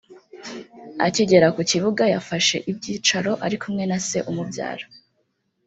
Akigera ku kibuga yafashe ibyicaro ari kumwe na se umubyara